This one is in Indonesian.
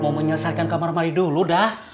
mau menyelesaikan kamar mari dulu dah